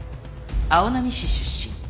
青波市出身。